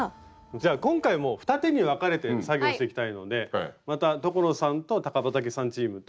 じゃあ今回も二手に分かれて作業をしていきたいのでまた所さんと高畠さんチームと。